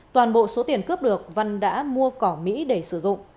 toàn bộ số tiền cướp được văn đã mua cỏ mỹ để sử dụng